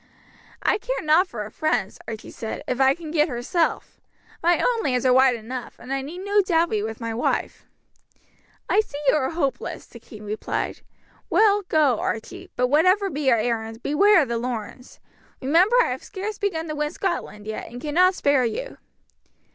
"I care nought for her friends," Archie said, "if I can get herself. My own lands are wide enough, and I need no dowry with my wife." "I see you are hopeless," the king replied. "Well, go, Archie; but whatever be your errand, beware of the Lornes. Remember I have scarce begun to win Scotland yet, and cannot spare you."